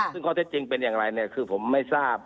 ซึ่งข้อเท็จจริงเป็นอย่างไรเนี่ยคือผมไม่ทราบ